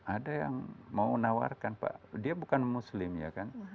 ada yang mau nawarkan pak dia bukan muslim ya kan